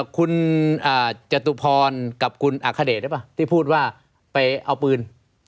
คุณจตุพรกับคุณอาคเดะได้ป่ะที่พูดว่าไปเอาปืน